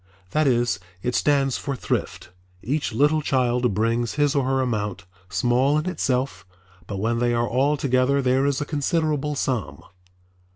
That is, it stands for Thrift. Each little child brings his or her amount, small in itself, but when they are all together there is a considerable sum.